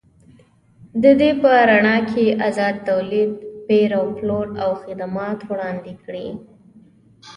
د دې په رڼا کې ازاد تولید، پېر او پلور او خدمات وړاندې کړي.